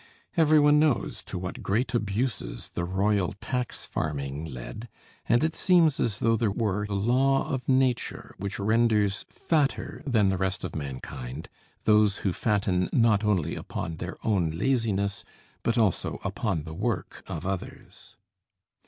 Everyone knows to what great abuses the royal tax farming led, and it seems as though there were a law of nature which renders fatter than the rest of mankind those who fatten, not only upon their own laziness, but also upon the work of others.